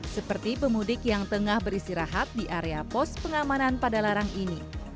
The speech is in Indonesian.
seperti pemudik yang tengah beristirahat di area pos pengamanan pada larang ini